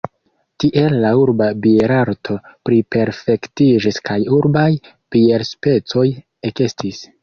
Tiel la urba bierarto pliperfektiĝis kaj urbaj bierspecoj ekestis.